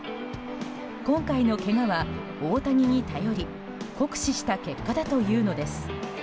今回のけがは大谷に頼り酷使した結果だというのです。